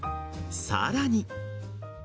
さらに。